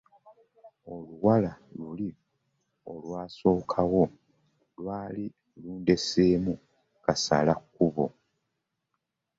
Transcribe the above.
Oluwala luli olwabasookawo lwali lundeseemu kasala kkubo.